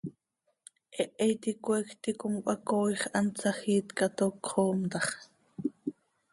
¡Hehe iti coeecj ticom cöhacooix hant sahjiit ca, toc cöxoom tax!